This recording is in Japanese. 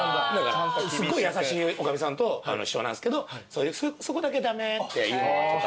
すごい優しいおかみさんと師匠なんですけどそこだけ駄目っていうのはちょっとあって。